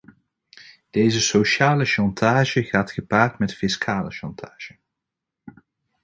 Deze sociale chantage gaat gepaard met fiscale chantage.